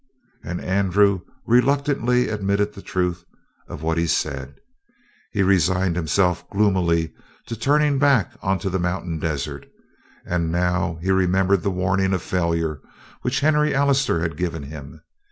And Andrew reluctantly admitted the truth of what he said. He resigned himself gloomily to turning back onto the mountain desert, and now he remembered the warning of failure which Henry Allister had given him.